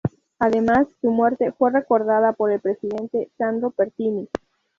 Además, su muerte fue recordada por el presidente Sandro Pertini.